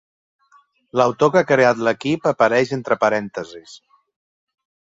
L'autor que ha creat l'equip apareix entre parèntesis.